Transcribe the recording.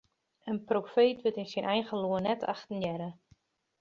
In profeet wurdt yn eigen lân net achtenearre.